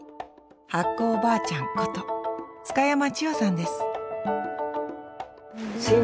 発酵おばあちゃんこと津嘉山千代さんです